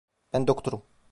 Ben doktorum.